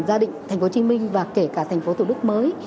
gia đình thành phố hồ chí minh và kể cả thành phố tổ đức mới